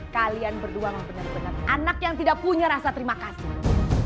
kalian berdua mau penyertaan anak yang tidak punya rasa terima kasih